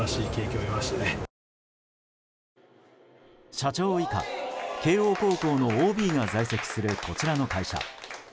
社長以下、慶応高校のＯＢが在籍するこちらの会社。